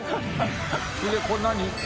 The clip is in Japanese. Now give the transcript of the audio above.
これ何？